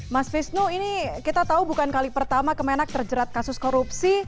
mas visno ini kita tahu bukan kali pertama kemenak terjerat kasus korupsi